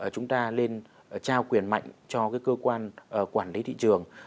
chúng ta nên trao quyền mạnh cho cơ quan quản lý thị trường